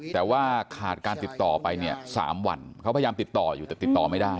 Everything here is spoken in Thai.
แต่ว่าขาดการติดต่อไปเนี่ย๓วันเขาพยายามติดต่ออยู่แต่ติดต่อไม่ได้